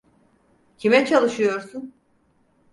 Kime çalışıyorsun?